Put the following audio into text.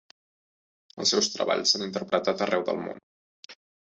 Els seus treballs s'han interpretat arreu del món.